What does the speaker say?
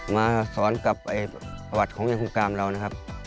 มาสอนกับประวัติของเวียงกุมกามเรานะครับ